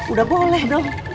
udah boleh dong